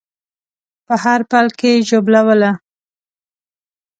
په هر پل کې ژوبلوله